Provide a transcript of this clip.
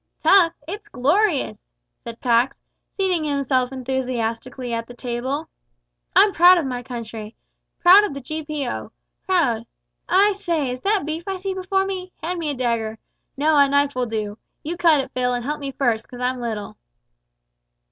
"Tough? It's glorious!" said Pax, seating himself enthusiastically at the table; "I'm proud of my country proud of the GPO proud... I say, is that beef that I see before me? Hand me a dagger no, a knife will do. You cut it, Phil, and help me first, 'cause I'm little."